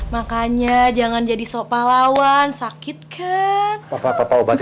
makanya jangan jadi sopah lawan sakit ke empat obat obat